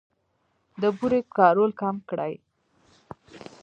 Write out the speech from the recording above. د بورې کارول کم کړئ.